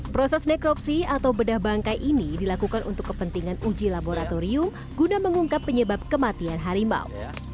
proses nekropsi atau bedah bangkai ini dilakukan untuk kepentingan uji laboratorium guna mengungkap penyebab kematian harimau